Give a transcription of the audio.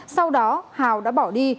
sau đó hào đã bỏ đi